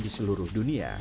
di seluruh dunia